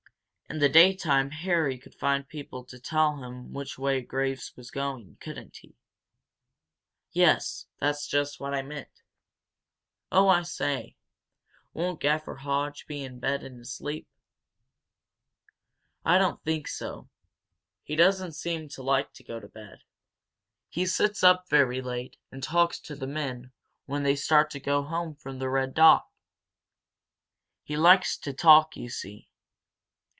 In the daytime Harry could find people to tell him which way Graves was going, couldn't he?" "Yes. That's just what I meant." "Oh, I say, won't Gaffer Hodge be in bed and asleep?" "I don't think so. He doesn't seem to like to go to bed. He sits up very late, and talks to the men when they start to go home from the Red Dog. He likes to talk, you see.